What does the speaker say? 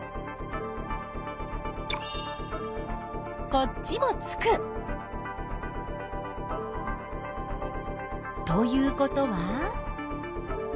こっちもつく！ということは？